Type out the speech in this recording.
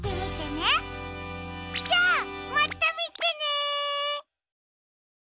じゃあまたみてね！